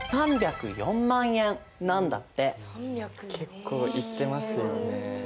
結構いってますよね。